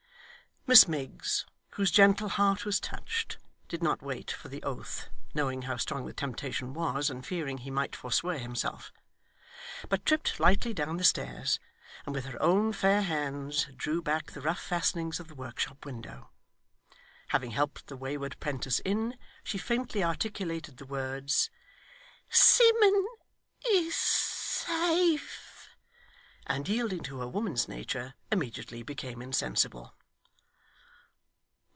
Miss Miggs, whose gentle heart was touched, did not wait for the oath (knowing how strong the temptation was, and fearing he might forswear himself), but tripped lightly down the stairs, and with her own fair hands drew back the rough fastenings of the workshop window. Having helped the wayward 'prentice in, she faintly articulated the words 'Simmun is safe!' and yielding to her woman's nature, immediately became insensible.